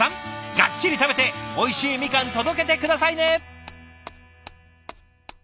ガッチリ食べておいしいみかん届けて下さいね！